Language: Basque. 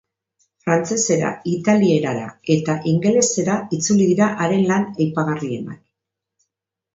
Frantsesera, italierara eta ingelesera itzuli dira haren lan aipagarrienak.